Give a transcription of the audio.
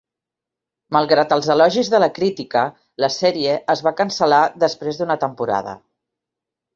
Malgrat els elogis de la crítica, la sèrie es va cancel·lar després d'una temporada.